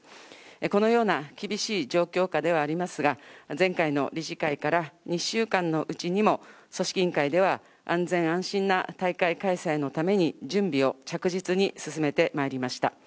このような厳しい状況下ではありますが、前回の理事会から２週間のうちにも、組織委員会では安全安心な大会開催のために準備を着実に進めてまいりました。